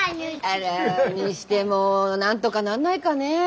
あらにしてもなんとかなんないかね？